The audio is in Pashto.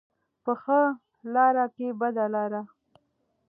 په ښه لاره که بده لاره.